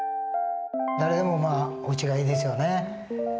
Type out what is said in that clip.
誰でもおうちがいいですよね。